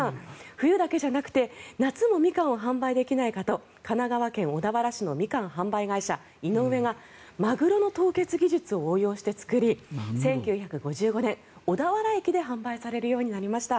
冬だけじゃなくて夏もミカンを販売できないかと神奈川県小田原市のミカン販売会社、井上がマグロの凍結技術を応用して作り１９５５年、小田原駅で販売されるようになりました。